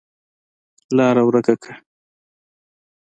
لاره ورکه کړه.